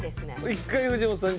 １回藤本さんに。